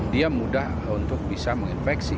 dia mudah untuk bisa menginfeksi